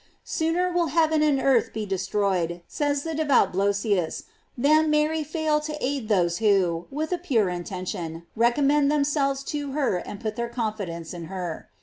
J Sooner will heaven and earth be destroyed, says the devout Blosius, than Mary fail to aid those who, with a pure intention, recommend themselves to her and put their confidence in her.